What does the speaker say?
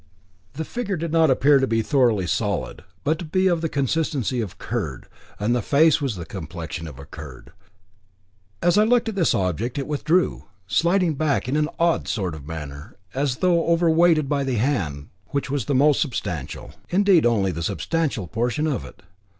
The figure did not appear to be thoroughly solid, but to be of the consistency of curd, and the face was of the complexion of curd. As I looked at this object it withdrew, sliding backward in an odd sort of manner, and as though overweighted by the hand, which was the most substantial, indeed the only substantial portion of it.